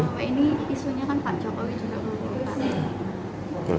ini isunya kan pak jokowi juga ke golcok